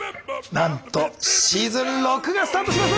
なんとシーズン六がスタートします！